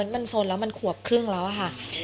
มันสนแล้วมันขวบครึ่งแล้วอะค่ะ